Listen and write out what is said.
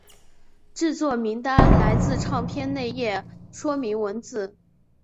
制作名单来自唱片内页说明文字。